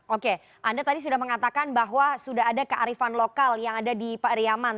oke anda tadi sudah mengatakan bahwa sudah ada kearifan lokal yang ada di pak riyaman